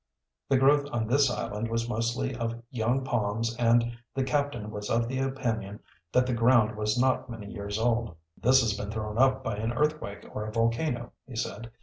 The growth on this island was mostly of young palms and the captain was of the opinion that the ground was not many years old. "This has been thrown up by an earthquake or a volcano," he said.